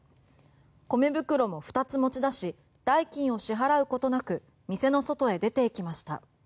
米袋も二つ持ち出し代金を支払うことなく店の外へ出ていきました。